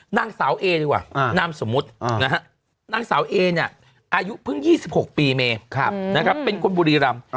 นางสาวเอดีกว่านามสมมุตินางสาวเอเนี่ยอายุเพิ่ง๒๖ปีเมเป็นคนบุรีรำ